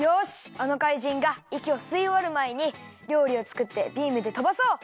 あのかいじんがいきをすいおわるまえにりょうりをつくってビームでとばそう！